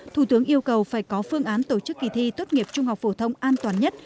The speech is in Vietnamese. thủ tướng yêu cầu phải có phương án tổ chức kỳ thi tốt nghiệp trung học phổ thông an toàn nhất